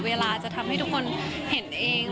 เวลาจะทำให้ทุกคนเห็นเอง